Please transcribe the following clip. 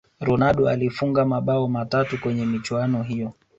ronaldo alifunga mabao matatu kwenye michuano hiyo